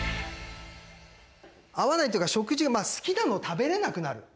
合わないっていうか食事が好きなの食べれなくなる。